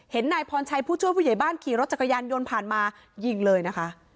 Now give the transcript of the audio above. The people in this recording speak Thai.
นายพรชัยผู้ช่วยผู้ใหญ่บ้านขี่รถจักรยานยนต์ผ่านมายิงเลยนะคะ